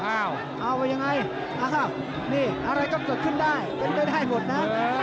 อ้าวเอาไปยังไงอะไรก็ตกขึ้นได้เป็นก็ได้หมดนะ